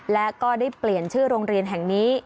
และก็ได้เปลี่ยนชื่อโรงเรียนแห่งนี้